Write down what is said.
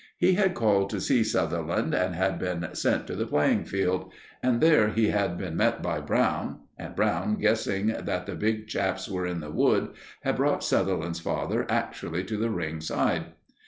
He had called to see Sutherland, and had been sent to the playing field; and there he had been met by Brown. And Brown, guessing that the big chaps were in the wood, had brought Sutherland's father actually to the ring side!